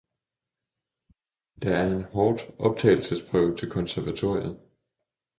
Der er en hårdt optagelsesprøve til konservatoriet.